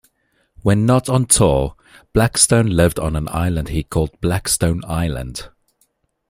When not on tour, Blackstone lived on an island he called Blackstone Island.